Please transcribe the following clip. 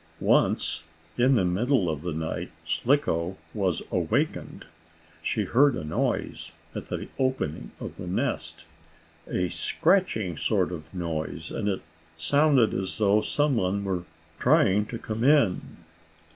Once, in the middle of the night, Slicko was awakened. She heard a noise at the opening of the nest, a scratching sort of noise, and it sounded as though some one were trying to come in.